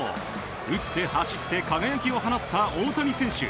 打って走って輝きを放った大谷選手。